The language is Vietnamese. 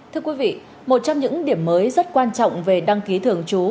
thưa quý vị một trong những điểm mới rất quan trọng về đăng ký thường trú